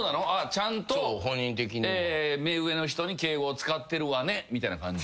ちゃんと目上の人に敬語を使ってるわねみたいな感じ？